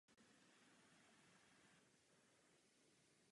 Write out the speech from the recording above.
Jsou zde tři fotbalová hřiště a sportovní hala.